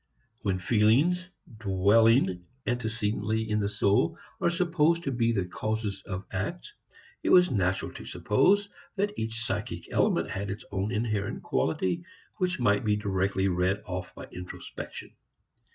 When feelings, dwelling antecedently in the soul, were supposed to be the causes of acts, it was natural to suppose that each psychic element had its own inherent quality which might be directly read off by introspection.